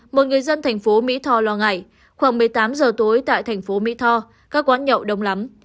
một người dân thành phố mỹ tho lo ngại khoảng một mươi tám giờ tối tại thành phố mỹ tho các quán nhậu đông lắm